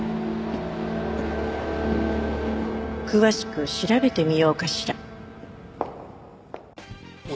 詳しく調べてみようかしら。